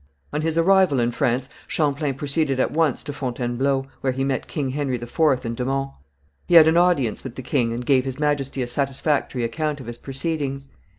On his arrival in France Champlain proceeded at once to Fontainebleau, where he met King Henry IV and de Monts. He had an audience with the king and gave His Majesty a satisfactory account of his proceedings.